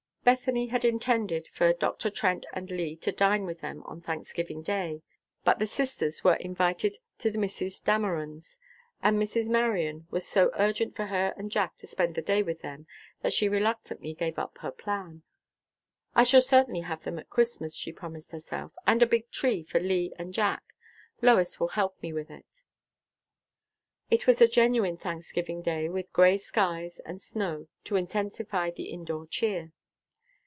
Bethany had intended for Dr. Trent and Lee to dine with them on Thanksgiving day, but the sisters were invited to Mrs. Dameron's, and Mrs. Marion was so urgent for her and Jack to spend the day with them, that she reluctantly gave up her plan. "I shall certainly have them Christmas," she promised herself, "and a big tree for Lee and Jack. Lois will help me with it." It was a genuine Thanksgiving day, with gray skies, and snow, to intensify the indoor cheer.